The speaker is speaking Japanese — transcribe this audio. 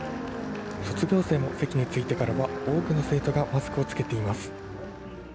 卒業生も席に着いてからは多くの生徒がマスクを着けています。